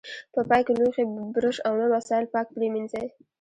په پای کې لوښي، برش او نور وسایل پاک پرېمنځئ.